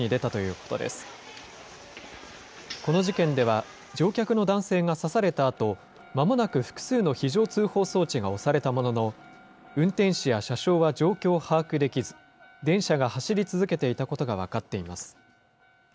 この事件では、乗客の男性が刺されたあと、まもなく複数の非常通報装置が押されたものの、運転士や車掌は状況を把握できず、電車が走り続けていたことが分かっています。